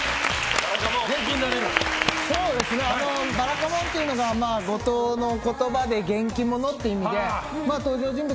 「ばらかもん」というのが五島の言葉で元気者っていう意味で登場人物